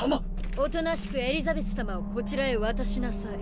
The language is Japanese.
おとなしくエリザベス様をこちらへ渡しなさい。